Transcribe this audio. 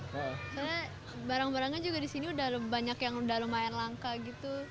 soalnya barang barangnya juga di sini udah banyak yang udah lumayan langka gitu